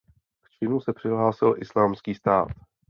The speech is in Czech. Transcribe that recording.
K činu se přihlásil Islámský stát.